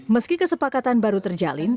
meski kesepakatan baru terjalin